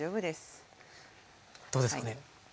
どうですかね。